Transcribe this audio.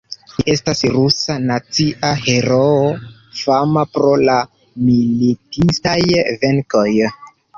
Li estas rusa nacia heroo, fama pro la militistaj venkoj.